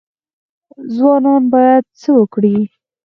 ځوانان باید څه وکړي؟